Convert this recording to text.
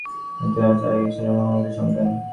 হিন্দুগণ চিরকালই ঈশ্বরের মহিমান্বিত সন্তান।